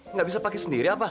nggak bisa pakai sendiri apa